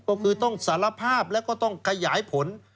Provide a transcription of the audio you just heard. ก็คือต้องสารภาพแล้วก็ต้องขยายผล